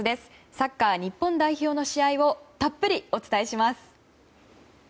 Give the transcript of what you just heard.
サッカー日本代表の試合をたっぷりお伝えします。